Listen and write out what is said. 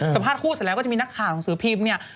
สัมภาษณ์คู่เสร็จแล้วก็จะมีนักข่าวหนังสือพิมพ์เนี่ย